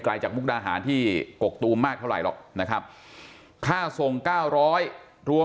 ไกลจากมุกนาหารที่กกตูมมากเท่าไหร่หรอกนะครับค่าส่ง๙๐๐รวม